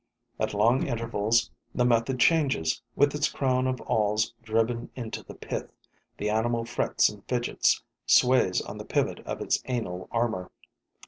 At long intervals, the method changes. With its crown of awls driven into the pith, the animal frets and fidgets, sways on the pivot of its anal armor.